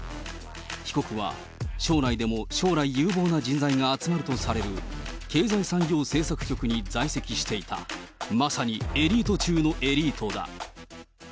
被告は、省内でも将来有望な人材が集まるとされる、経済産業政策局に在籍していた、まさにエリート中のエリートだ。